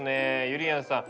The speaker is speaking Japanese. ゆりやんさん